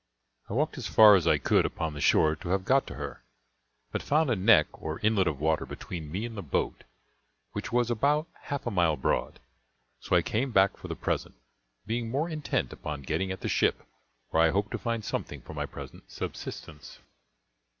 I walked as far as I could upon the shore to have got to her; but found a neck or inlet of water between me and the boat which was about half a mile broad; so I came back for the present, being more intent upon getting at the ship, where I hoped to find something for my present subsistence.